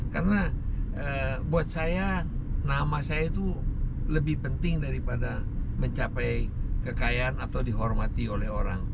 karena buat saya nama saya itu lebih penting daripada mencapai kekayaan atau dihormati oleh orang